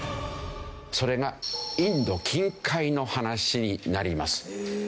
それがインド近海の話になります。